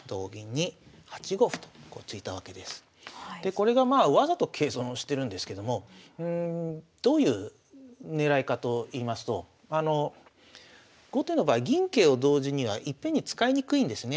でこれがまあわざと桂損をしてるんですけどもどういう狙いかといいますと後手の場合銀桂を同時にはいっぺんに使いにくいんですね。